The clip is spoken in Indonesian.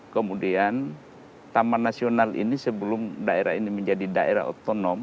dua ribu tiga kemudian taman nasional ini sebelum daerah ini menjadi daerah otonom